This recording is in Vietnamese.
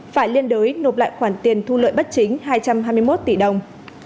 phải liên đối nộp lại khoản tiền thu lợi bất chính hai trăm hai mươi một tỷ đồng